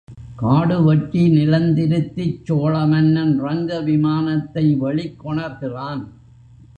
காடு வெட்டி நிலந்திருத்திச் சோழ மன்னன் ரங்கவிமானத்தை வெளிக் கொணர்கிறான்.